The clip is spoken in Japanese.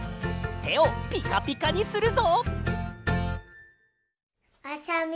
てをピカピカにするぞ！